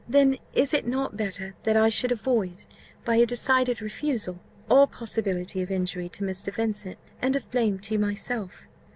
Then is it not better that I should avoid, by a decided refusal, all possibility of injury to Mr. Vincent, and of blame to myself?"